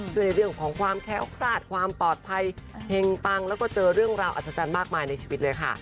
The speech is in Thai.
ในเรื่องของความแค้วคลาดความปลอดภัยเฮงปังแล้วก็เจอเรื่องราวอัศจรรย์มากมายในชีวิตเลยค่ะ